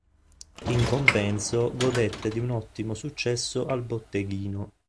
In compenso godette di un ottimo successo al botteghino.